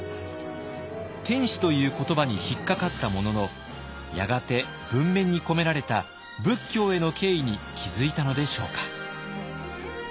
「天子」という言葉に引っ掛かったもののやがて文面に込められた仏教への敬意に気付いたのでしょうか。